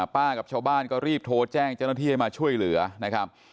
กับชาวบ้านก็รีบโทรแจ้งเจ้าหน้าที่ให้มาช่วยเหลือนะครับ